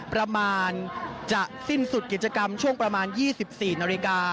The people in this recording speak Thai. ประมาณจะสิ้นสุดกิจกรรมช่วงประมาณ๒๔นาฬิกา